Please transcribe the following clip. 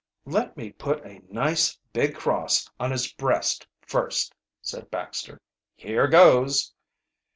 "Let me put a nice big cross on his breast first," said Baxter. "Here goes!"